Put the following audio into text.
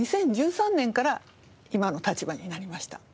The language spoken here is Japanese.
２０１３年から今の立場になりました。